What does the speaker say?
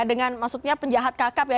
dengan maksudnya penjahat kakap ya